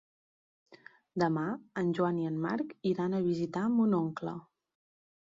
Demà en Joan i en Marc iran a visitar mon oncle.